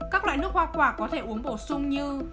các loại nước hoa quả có thể uống bổ sung như